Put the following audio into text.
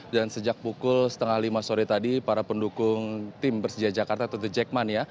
dan sejak pukul setengah lima sore tadi para pendukung tim persija jakarta atau the jackman